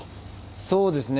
そうですね。